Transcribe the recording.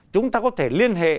chúng ta có thể liên hệ